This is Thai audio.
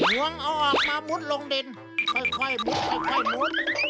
วงเอาออกมามุดลงดินค่อยมุดค่อยมุด